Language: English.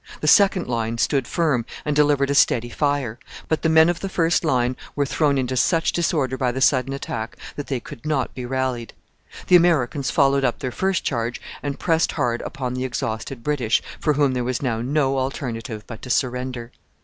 The second line stood firm and delivered a steady fire; but the men of the first line were thrown into such disorder by the sudden attack that they could not be rallied. The Americans followed up their first charge and pressed hard upon the exhausted British, for whom there was now no alternative but to surrender.